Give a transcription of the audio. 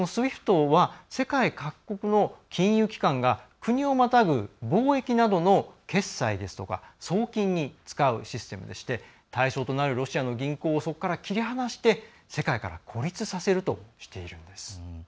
ＳＷＩＦＴは世界各国の金融機関が国をまたぐ貿易などの決済ですとか送金に使うシステムでして対象となるロシアの銀行をそこから切り離して世界から孤立させるとしているんです。